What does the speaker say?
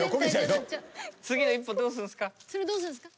次の一歩どうするんすか？